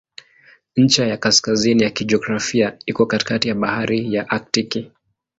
Ncha ya kaskazini ya kijiografia iko katikati ya Bahari ya Aktiki.